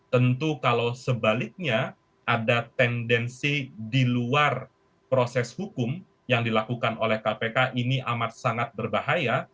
tentu kalau sebaliknya ada tendensi di luar proses hukum yang dilakukan oleh kpk ini amat sangat berbahaya